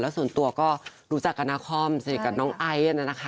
และส่วนตัวก็รู้จักกับนาคอมเสียกับน้องไอ้